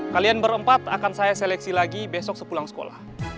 kalian berempat akan saya seleksi lagi besok sepulang sekolah